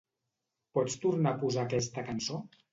Pots tornar a posar aquesta cançó?